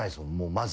まず。